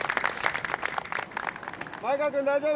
前川くん大丈夫？